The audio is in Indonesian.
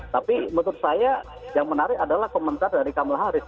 tapi menurut saya yang menarik adalah komentar dari kamal haris